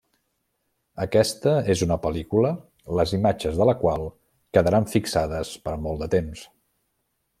Aquesta és una pel·lícula, les imatges de la qual quedaran fixades per molt de temps.